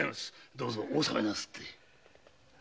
どうかお納めなすって。